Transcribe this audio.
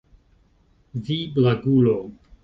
Vi, blagulo!